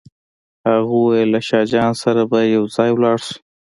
هغه وویل له شاه جان سره به یو ځای ولاړ شو.